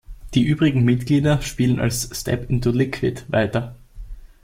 Die übrigen Mitglieder spielen als Step Into Liquid weiter.